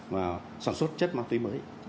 mà sản xuất chất ma túy mới